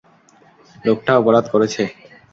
লোকটা অপরাধ করেছে।